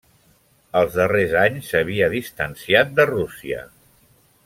Als darrers anys s'havia distanciat de Rússia.